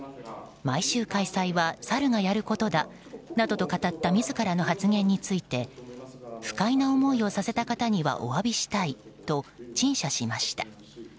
毎週開催はサルがやることだなどと語った自らの発言について不快な思いをさせた方にはお詫びしたいと陳謝しました。